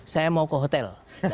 saya mau ke hotel